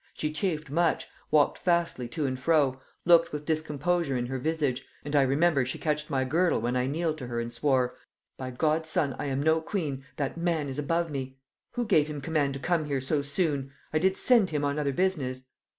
She chafed much, walked fastly to and fro, looked with discomposure in her visage; and I remember, she catched my girdle when I kneeled to her, and swore, 'By God's son I am no queen, that man is above me; who gave him command to come here so soon? I did send him on other business.'